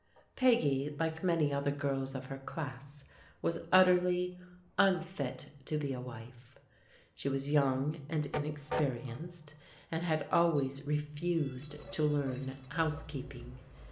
Peggy, like many other girls of her class, was utterly unfit to be a wife. She was young and inexperienced, and had always refused to learn housekeeping.